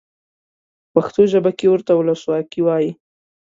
په پښتو ژبه کې ورته ولسواکي وایي.